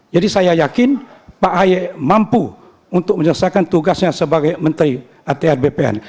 jadi saya yakin pak haye mampu untuk menyelesaikan tugasnya sebagai menteri atr bpn